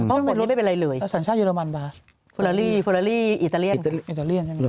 ห้องโดยสารนี้ไม่เป็นไรเหลื่อยฝรั่งชาติเยอรมันเปล่าฟอราลีอิตาเลียนใช่ไหมครับฟอราลีอิตาเลียน